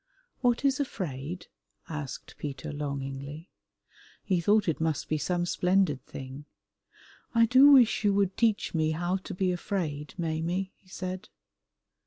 "What is afraid?" asked Peter longingly. He thought it must be some splendid thing. "I do wish you would teach me how to be afraid, Maimie," he said.